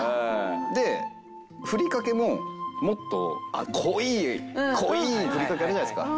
でふりかけももっと濃い濃いふりかけあるじゃないですか。